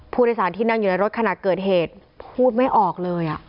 ผู้โดยสารที่นั่งอยู่ในรถขณะเกิดเหตุพูดไม่ออกเลย